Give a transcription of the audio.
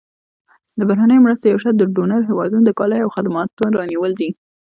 د بهرنیو مرستو یو شرط د ډونر هېوادونو د کالیو او خدماتو رانیول دي.